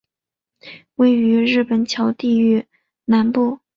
位于日本桥地域南部。